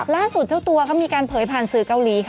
ล่าสุดเจ้าตัวเค้ามีการเผยผ่านสื่อเกาหลี